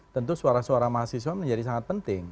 tentu suara suara mahasiswa menjadi sangat penting